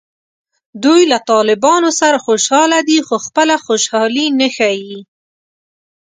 دوی له طالبانو سره خوشحاله دي خو خپله خوشحالي نه ښیي